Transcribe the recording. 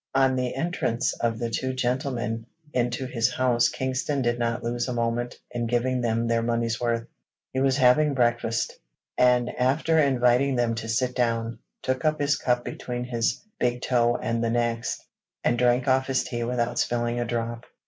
On the entrance of the two gentlemen into his house Kingston did not lose a moment in giving them their money's worth. He was having breakfast, and after inviting them to sit down, took up his cup between his big toe and the next, and drank off his tea without spilling a drop.